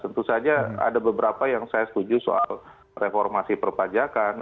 tentu saja ada beberapa yang saya setuju soal reformasi perpajakan